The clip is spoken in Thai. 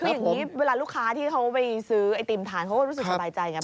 คืออย่างนี้เวลาลูกค้าที่เขาไปซื้อไอติมทานเขาก็รู้สึกสบายใจไง